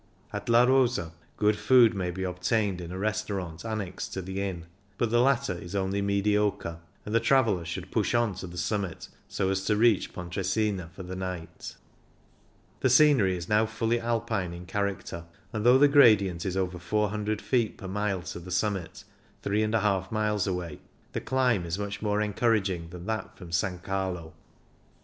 At La Rosa good food may be obtained in a restaurant annexed to the inn, but the latter is only mediocre, and the traveller should push on to the summit, so as to reach Pontresina for the night The scenery is now fully Alpiiie in character, and though the gradient is over 400 feet per mile to the summit, 3^^ miles away, the climb is much more encouraging than that from S. Carlo.